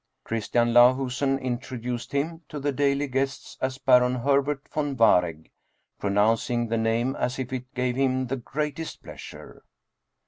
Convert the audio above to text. Christian Lahusen introduced him to the daily guests as Baron Herbert von Waregg, pronouncing the name as if it gave him the greatest pleasure.